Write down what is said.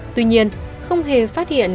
tuy nhiên không hề phát hiện